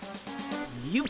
よっ。